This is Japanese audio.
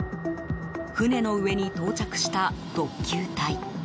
船の上に到着した特救隊。